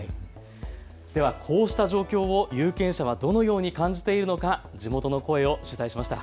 ではこうした状況を有権者はどのように感じているのか地元の声を取材しました。